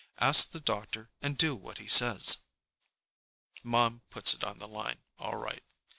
Ask the doctor and do what he says." Mom puts it on the line, all right.